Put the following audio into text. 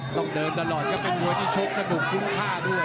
ต้องเดินอร่อยก็เป็นบวนที่ชกสนุกพุ่งค่าด้วย